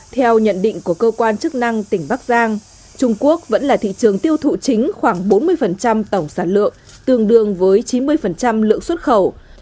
theo nhận định của cơ quan chức năng tỉnh bắc giang trung quốc vẫn là thị trường tiêu thụ chính khoảng bốn mươi tổng sản lượng tương đương với chín mươi lượng xuất khẩu